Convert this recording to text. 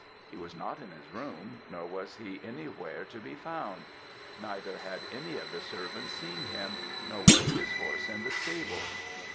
He was not in his room, nor was he any where to be found; neither had any of the servants seen him, nor was his horse in the stable.